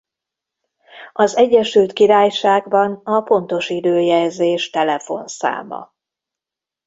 Az Egyesült Királyságban a pontosidő-jelzés telefonszáma.